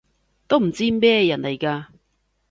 都唔知咩人嚟㗎